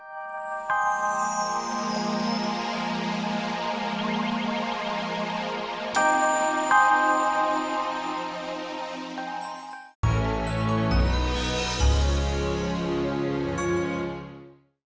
special que frik ya ngak algunasnya musim sendiri kusutku